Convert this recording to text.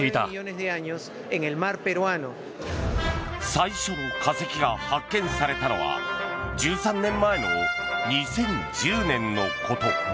最初の化石が発見されたのは１３年前の２０１０年のこと。